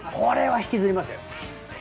これは引きずりました。